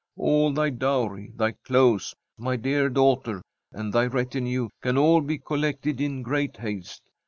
" All thy dowry, thy clothes, my dear daughter, and thy retinue, can all be collected in great haste.